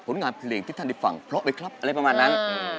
ผลงานเพลงที่ท่านได้ฟังก็แบบผล๊ะไว้ครับ